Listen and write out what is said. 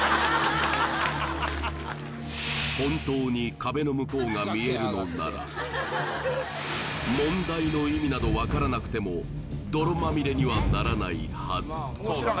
本当に壁の向こうが見えるのなら問題の意味など分からなくても泥まみれにはならないはず